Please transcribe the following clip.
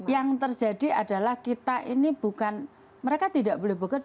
yang terjadi adalah kita ini bukan mereka tidak boleh bekerja